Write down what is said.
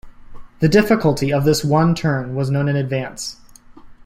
The difficulty of this one turn was known in advance.